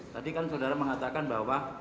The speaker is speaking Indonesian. tadi kan saudara mengatakan bahwa